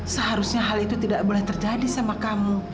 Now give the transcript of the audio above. seharusnya hal itu tidak boleh terjadi sama kamu